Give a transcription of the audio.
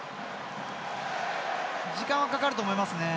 時間はかかると思いますね。